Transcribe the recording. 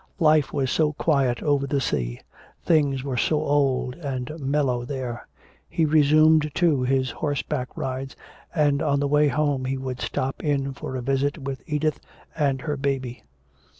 Life was so quiet over the sea, things were so old and mellow there. He resumed, too, his horseback rides, and on the way home he would stop in for a visit with Edith and her baby.